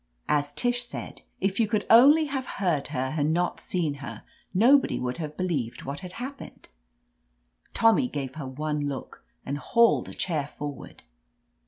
As Tish said, if you could only have heard her and not seen her, nobody would have believed what had happened. Tommy gave her one look, and hauled a chair forward.